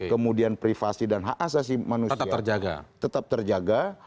kemudian privasi dan hak asasi manusia tetap terjaga